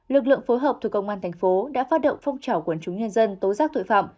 lực lượng phối hợp thuộc công an thành phố đã phát động phong trào quần chúng nhân dân tố giác tội phạm